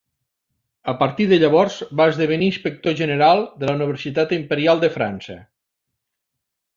A partir de llavors, va esdevenir inspector general de la Universitat Imperial de França.